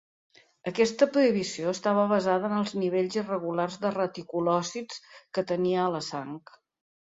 Aquesta prohibició estava basada en els nivells irregulars de reticulòcits que tenia a la sang.